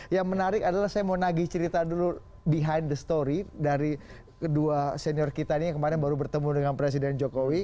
yang menarik adalah saya mau nagih cerita dulu behind the story dari kedua senior kita ini yang kemarin baru bertemu dengan presiden jokowi